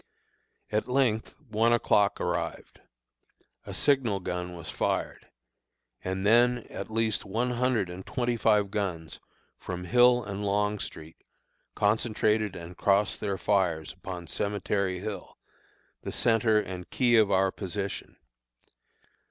At length one o'clock arrived; a signal gun was fired, and then at least one hundred and twenty five guns from Hill and Longstreet concentrated and crossed their fires upon Cemetery Hill, the centre and key of our position.